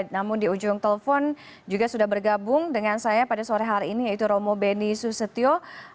namun di ujung telepon juga sudah bergabung dengan saya pada sore hari ini yaitu romo beni susetio